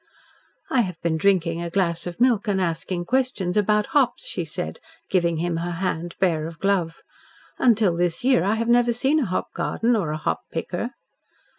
"I have been drinking a glass of milk and asking questions about hops," she said, giving him her hand bare of glove. "Until this year I have never seen a hop garden or a hop picker."